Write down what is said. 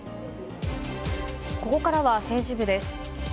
ここからは政治部です。